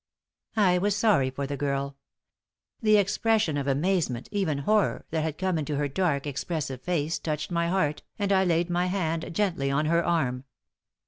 I was sorry for the girl. The expression of amazement even horror that had come into her dark, expressive face touched my heart, and I laid my hand gently on her arm.